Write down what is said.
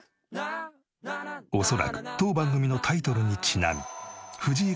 おそらく当番組のタイトルにちなみ。